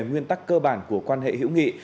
nguyên tắc cơ bản của quan hệ hữu nghị